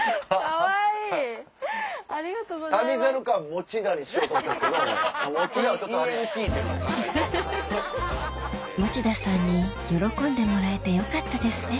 持田さんに喜んでもらえてよかったですね